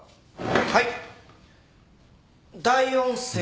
はい。